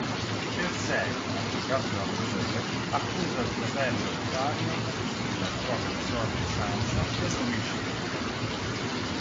Cersei, accecata dal dolore, accusa il fratello Tyrion e la sua consorte Sansa dell'omicidio.